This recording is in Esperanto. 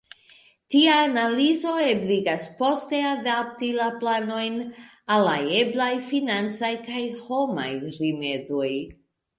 Tia analizo ebligas poste adapti la planojn al la eblaj financaj kaj homaj rimedoj.